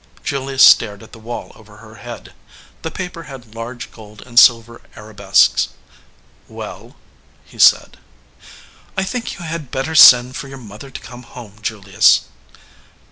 Julius stared at the wall over her head. The paper had large gold and silver arabesques. "Well?" he said. "I think you had better send for your mother to come home, Julius."